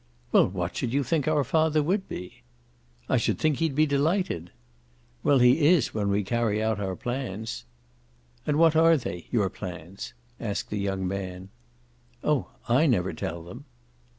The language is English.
"Well, what should you think our father would be?" "I should think he'd be delighted!" "Well, he is, when we carry out our plans." "And what are they your plans?" asked the young man. "Oh I never tell them."